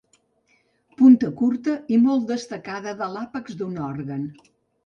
Punta curta i molt destacada de l'àpex d'un òrgan.